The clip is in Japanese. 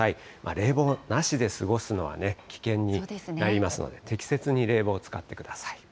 冷房なしで過ごすのは危険になりますので、適切に冷房を使ってください。